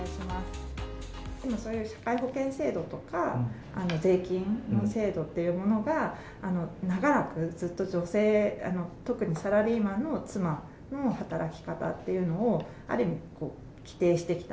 今そういう社会保険制度とか、税金の制度っていうものが、長らくずっと女性、特にサラリーマンの妻の働き方っていうのを、ある意味規定してきた。